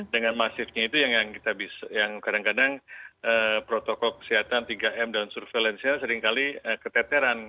dengan masifnya itu yang kadang kadang protokol kesehatan tiga m dan surveillance nya seringkali keteteran